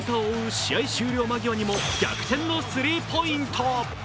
試合終了間際にも逆転のスリーポイント。